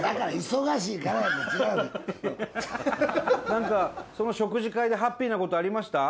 何かその食事会でハッピーな事ありました？